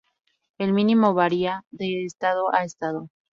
El mínimo varia de estado a estado.